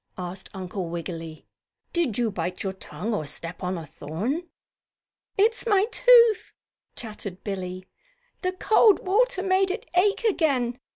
asked Uncle Wiggily. "Did you bite your tongue or step on a thorn?" "It's my tooth," chattered Billie. "The cold water made it ache again.